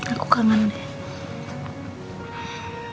aku kangen deh